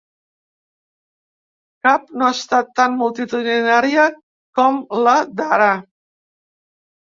Cap no ha estat tan multitudinària com la d’ara.